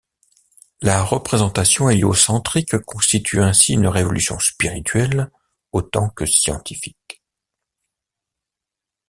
La représentation héliocentrique constitue ainsi une révolution spirituelle autant que scientifique.